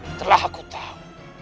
setelah aku tahu